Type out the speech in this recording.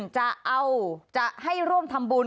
จะเอาจะให้ร่วมทำบุญ